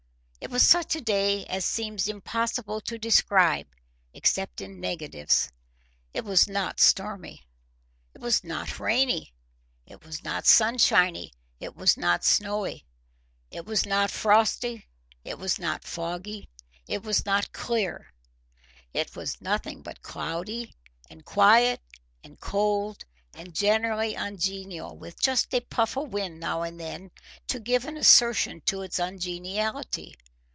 It was such a day as it seems impossible to describe except in negatives. It was not stormy, it was not rainy, it was not sunshiny, it was not snowy, it was not frosty, it was not foggy, it was not clear, it was nothing but cloudy and quiet and cold and generally ungenial, with just a puff of wind now and then to give an assertion to its ungeniality.